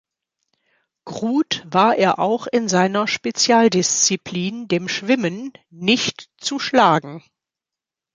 Grut war er auch in seiner Spezialdisziplin, dem Schwimmen, nicht zu schlagen.